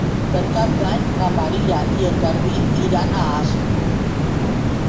Per Cap d'Any na Maria i en Garbí iran a Asp.